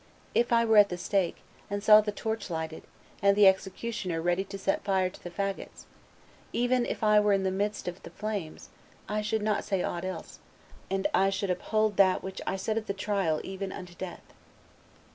If I were at the stake, and saw the torch lighted, and the executioner ready to set fire to the fagots, even if I were in the midst of the flames, I should not say aught else, and I should uphold that which I said at the trial even unto death."